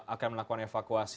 akan melakukan evakuasi